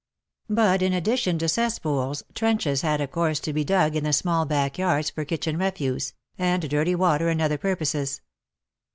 But in addition to cesspools, trenches had of course to be dug in the small backyards for kitchen refuse, and dirty water and other purposes.